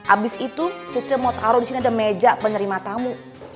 abis itu cece mau taruh ada meja penerima tamu